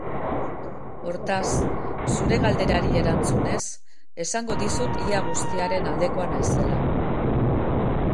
Hortaz, zure galderari erantzunez, esango dizut ia guztiaren aldekoa naizela.